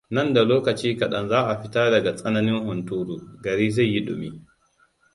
Nan da lokaci kaɗan za a fita daga tsananin hunturu, gari zai yi ɗumi.